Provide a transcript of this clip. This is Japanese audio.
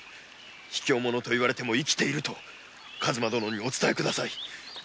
ひきょう者と言われても生きていると数馬殿にお伝え下さい。